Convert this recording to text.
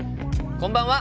こんばんは。